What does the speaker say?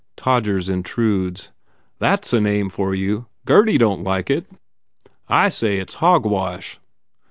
"Todgers Intrudes." "That s a name for you ! Gurdy don t like it. I say it s hogwash.